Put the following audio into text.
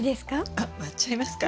あっ割っちゃいますか？